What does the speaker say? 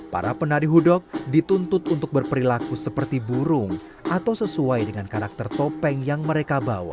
para penari hudok dituntut untuk berperilaku seperti burung atau sesuai dengan karakter topeng yang mereka bawa